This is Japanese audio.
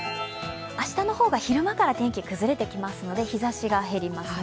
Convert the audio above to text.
明日の方が昼間から天気が崩れてきますので日ざしが減ります。